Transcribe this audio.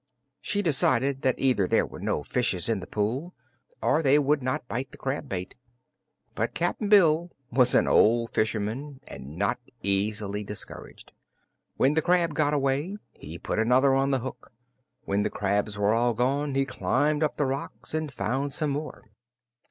She decided that either there were no fishes in the pool or they would not bite the crab bait. But Cap'n Bill was an old fisherman and not easily discouraged. When the crab got away he put another on the hook. When the crabs were all gone he climbed up the rocks and found some more.